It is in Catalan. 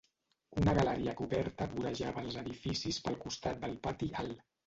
Una galeria coberta vorejava els edificis pel costat del pati alt.